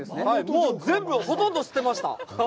もう全部、ほとんど捨てました。